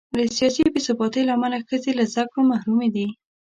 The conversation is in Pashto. له سیاسي بې ثباتۍ امله ښځې له زده کړو محرومې دي.